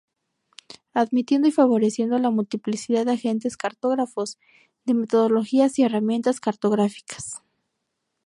Admitiendo y favoreciendo la multiplicidad de agentes-cartógrafos, de metodologías y herramientas cartográficas.